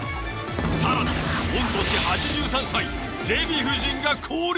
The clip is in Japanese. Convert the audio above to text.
さらに御年８３歳デヴィ夫人が降臨。